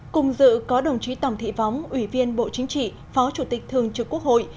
cùng dự có đồng chí tòng thị phóng ủy viên bộ chính trị phó chủ tịch thường trực quốc hội